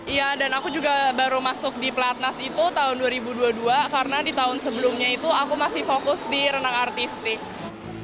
iya dan aku juga baru masuk di platnas itu tahun dua ribu dua puluh dua karena di tahun sebelumnya itu aku masih fokus di renang artistik